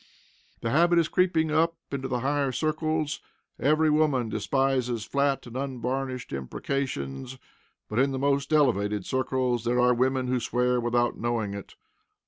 The habit is creeping up into the higher circles. Every woman despises flat and unvarnished imprecations; but in the most elevated circles there are women who swear without knowing it.